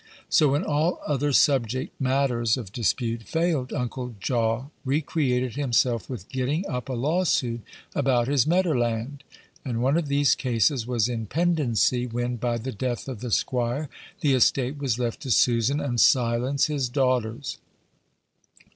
So, when all other subject matters of dispute failed, Uncle Jaw recreated himself with getting up a lawsuit about his "medder land;" and one of these cases was in pendency when, by the death of the squire, the estate was left to Susan and Silence, his daughters.